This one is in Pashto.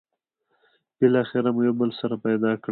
بالاخره مو یو بل سره پيدا کړل.